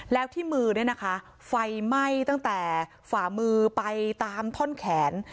แล้วที่มือเนี่ยนะคะไฟไหม้ตั้งแต่ฝ่ามือไปตามท่อนแขน